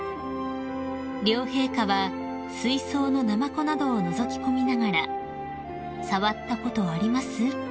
［両陛下は水槽のナマコなどをのぞき込みながら「触ったことあります？」